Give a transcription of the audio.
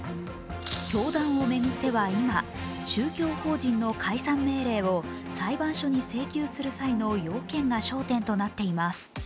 教団を巡っては今、宗教法人の解散命令を裁判所に請求する際の要件が焦点となっています。